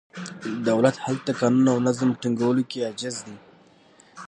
دولت هلته قانون او نظم ټینګولو کې عاجز دی.